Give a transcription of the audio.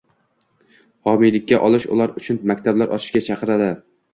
homiylikka olish, ular uchun maktablar ochishga chaqiradi.